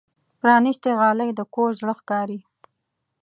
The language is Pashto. پرانستې غالۍ د کور زړه ښکاري.